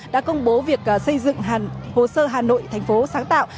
đã công bố việc xây dựng hàn hồ sơ hà nội thành phố sáng tạo